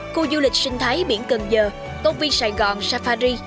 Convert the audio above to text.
khu du lịch sinh thái biển cần giờ công viên sài gòn safari